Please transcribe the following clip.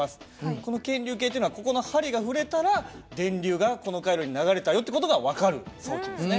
この検流計っていうのはここの針が振れたら電流がこの回路に流れたよって事が分かる装置ですね。